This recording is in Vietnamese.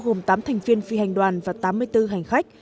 gồm tám thành viên phi hành đoàn và tám mươi bốn hành khách